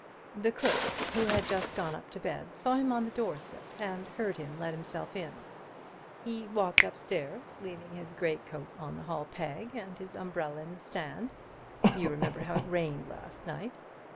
"The cook, who had just gone up to bed, saw him on the doorstep and heard him let himself in. He walked upstairs, leaving his greatcoat on the hall peg and his umbrella in the stand—you remember how it rained last night.